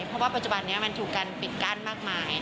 เพราะว่าปัจจุบันนี้มันถูกการปิดกั้นมากมาย